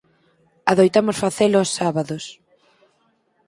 Adoitamos facelo os sábados.